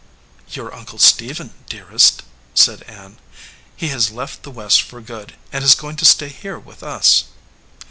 "Your uncle Stephen, dearest," said Ann. "He has left the West for good, and is going to stay here with us."